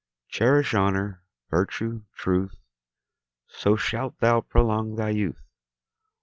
Cherish honour, virtue, truth, So shalt thou prolong thy youth.